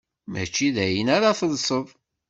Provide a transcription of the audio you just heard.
Mačči d ayen ara telseḍ.